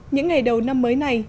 những ngày đầu năm mới này